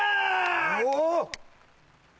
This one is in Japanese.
お！